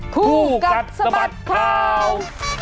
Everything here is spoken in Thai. คู่กัดสะบัดข่าว